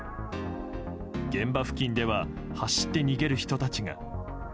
現場付近では走って逃げる人たちが。